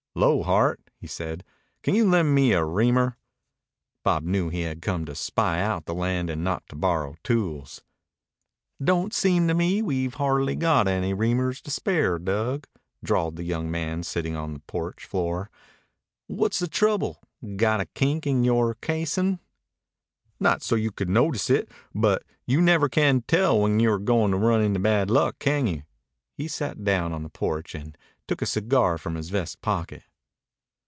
"'Lo, Hart," he said. "Can you lend me a reamer?" Bob knew he had come to spy out the land and not to borrow tools. "Don't seem to me we've hardly got any reamers to spare, Dug," drawled the young man sitting on the porch floor. "What's the trouble? Got a kink in yore casin'?" "Not so you could notice it, but you never can tell when you're goin' to run into bad luck, can you?" He sat down on the porch and took a cigar from his vest pocket.